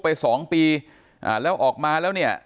ไป๒ปีแล้วออกมาแล้ว